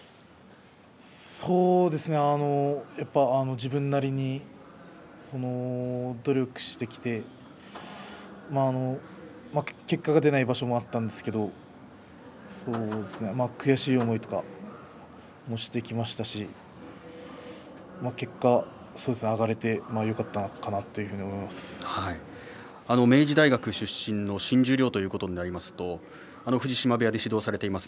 そうですね、やっぱり自分なりに努力をしてきて結果が出ない場所もあったんですけど悔しい思いとかしてきましたし結果、上がれて明治大学出身の新十両ということになりますと藤島部屋で指導されています